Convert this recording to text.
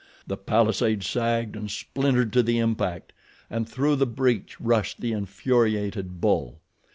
The palisade sagged and splintered to the impact, and through the breach rushed the infuriated bull.